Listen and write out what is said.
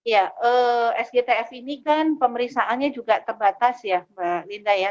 ya sgtf ini kan pemeriksaannya juga terbatas ya mbak linda ya